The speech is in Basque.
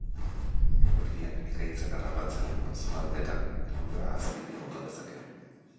Eguerdian ekaitzak harrapatzen duen zonaldetan elurra azpitik bota dezake.